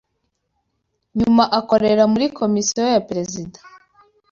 nyuma akorera muri komisiyo ya perezida